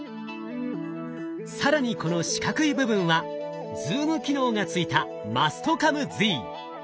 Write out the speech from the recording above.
更にこの四角い部分はズーム機能がついたマストカムＺ。